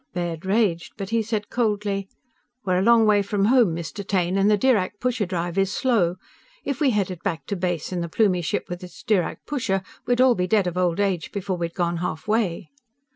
_" Baird raged. But he said coldly: "We're a long way from home, Mr. Taine, and the Dirac pusher drive is slow. If we headed back to base in the Plumie ship with its Dirac pusher, we'd all be dead of old age before we'd gone halfway."